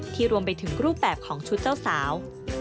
รวมไปถึงรูปแบบของชุดเจ้าสาว